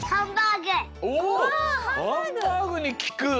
おおハンバーグにきく！